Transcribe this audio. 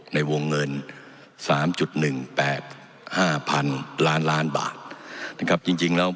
ในวงเงินสามจุดหนึ่งแปดห้าพันล้านล้านบาทนะครับจริงจริงแล้ว